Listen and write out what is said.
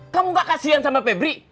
kamu gak kasihan sama febri